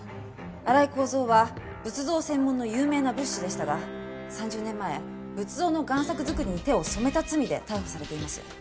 荒井孝蔵は仏像専門の有名な仏師でしたが３０年前仏像の贋作づくりに手を染めた罪で逮捕されています。